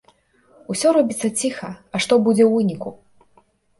Усё робіцца ціха, а што будзе ў выніку?